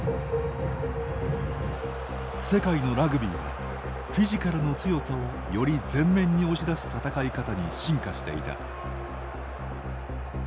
世界のラグビーはフィジカルの強さをより前面に押し出す戦い方に進化していた。